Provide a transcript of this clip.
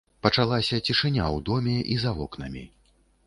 Пачалася цішыня ў доме і за вокнамі.